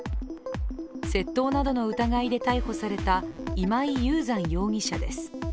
窃盗などの疑いで逮捕された今井雄山容疑者です。